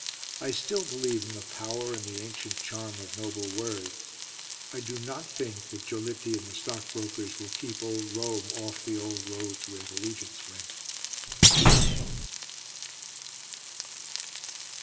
I still believe in the power and the ancient charm of noble words. I do not think that Giolitti and the stockbrokers will keep old Rome off the old roads where the legions went.